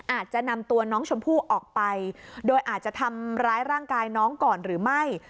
อาจจะนำตัวน้องชมพู่ออกไปโดยอาจจะทำร้ายร่างกายน้องก่อนหรือไม่